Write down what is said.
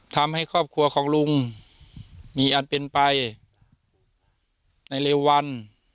ทำให้ครอบครัวของลุงมีอันเป็นไปในเร็ววัน